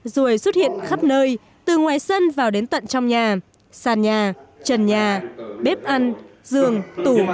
ruồi xuất hiện khắp nơi từ ngoài sân vào đến tận trong nhà sàn nhà trần nhà bếp ăn giường tủ